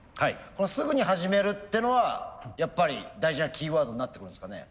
このすぐに始めるってのはやっぱり大事なキーワードになってくるんですかね？